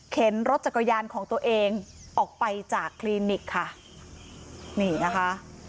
รถจักรยานของตัวเองออกไปจากคลินิกค่ะนี่นะคะ